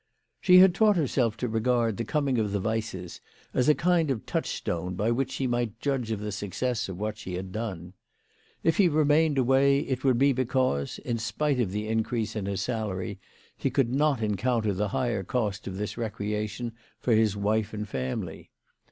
She had taught herself to regard the coming of the Weisses as a kind of touchstone by which she might judge of the success of what she had done. If he remained away it would be because, in spite of the increase in his salary, he could not encounter the higher cost of this recreation for his wife and family.